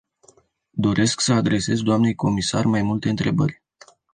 Doresc să adresez doamnei comisar mai multe întrebări.